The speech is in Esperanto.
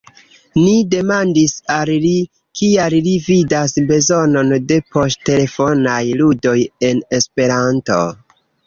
Ni demandis al li, kial li vidas bezonon de poŝtelefonaj ludoj en Esperanto.